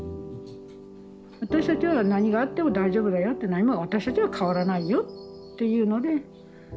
私たちは何があっても大丈夫だよって何も私たちは変わらないよっていうので見守りますよと。